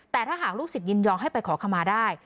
แต่ถ้าหากลูกศิษยินยอมให้ไปขอขมาได้